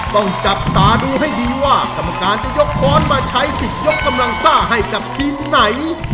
ต้องจับตาดูให้ดีว่ากรรมการจะยกค้อนมาใช้สิทธิ์ยกกำลังซ่าให้กับทีมไหน